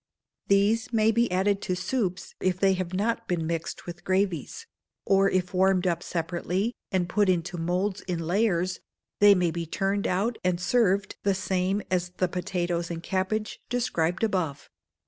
These may be added to soups, if they have not been mixed with gravies: or if warmed up separately, and put into moulds in layers, they may be turned out, and served the same as the potatoes and cabbage described above.